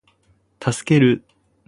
助ける